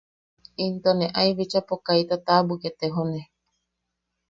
Into ne ae bichapo kaita taʼabwik etejone.